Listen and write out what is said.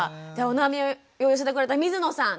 お悩みを寄せてくれた水野さん